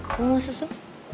mau gak mau susu